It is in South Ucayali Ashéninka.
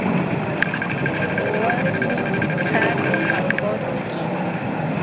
Owakiro pithate pankotziki